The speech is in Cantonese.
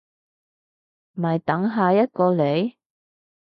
咪等下一個嚟